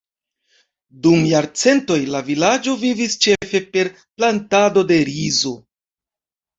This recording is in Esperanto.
Dum jarcentoj, la vilaĝo vivis ĉefe per plantado de rizo.